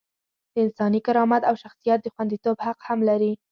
د انساني کرامت او شخصیت د خونديتوب حق هم لري.